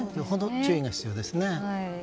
注意が必要ですね。